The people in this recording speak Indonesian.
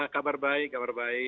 kabar baik kabar baik